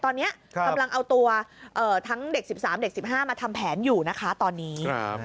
ตอนนี้กำลังเอาตัวทั้งเด็ก๑๓เด็ก๑๕มาทำแผนอยู่นะคะตอนนี้